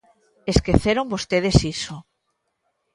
Esqueceron vostedes iso.